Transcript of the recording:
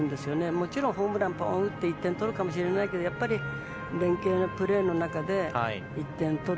もちろんホームランを打って１本取るかもしれないですけどやっぱり、連係プレーの中で１点取る。